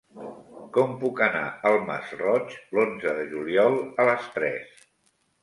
Com puc anar al Masroig l'onze de juliol a les tres?